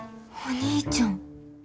お兄ちゃん。